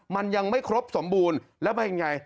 มันยังไม่ครบสมบูรณ์แล้วเป็นยังไง